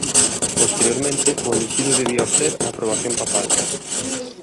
Posteriormente o elixido debía obter a aprobación papal.